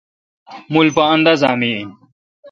مُل پا اندازا می این۔